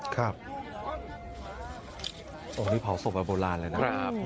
ตรงนี้เผาศพประโบราณเลยนะ